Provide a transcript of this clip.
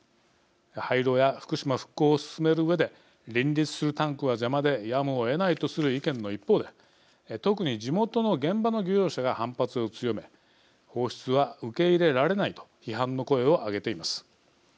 廃炉や福島復興を進めるうえで林立するタンクは邪魔でやむをえないとする意見の一方で特に地元の現場の漁業者が反発を強め放出は受け入れられないと批判の声を上げています。